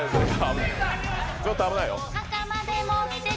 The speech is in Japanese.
ちょっと危ないよ。